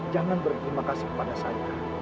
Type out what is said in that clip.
jangan berterima kasih kepada saya